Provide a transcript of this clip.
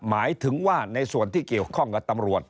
หมายถึงว่าในส่วนที่เกี่ยวข้องกับตำรวจ